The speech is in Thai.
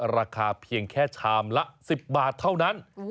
ราคาเพียงแค่ชามละ๑๐บาทเท่านั้น